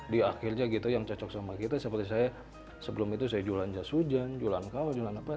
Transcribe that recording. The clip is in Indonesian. di akhirnya gitu yang cocok sama kita seperti saya sebelum itu saya jualan jas hujan jualan kau jualan apa